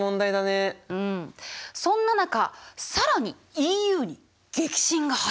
そんな中更にＥＵに激震が走る。